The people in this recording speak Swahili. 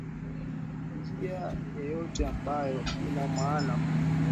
njia yeyote ambayo ina maana kwa